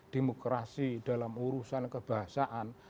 demokrasi dalam urusan kebahasaan